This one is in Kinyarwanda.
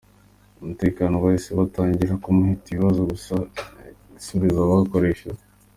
umutekano bahise batangira kumuhata ibibazo gusa ari kubisubiza akoresheje.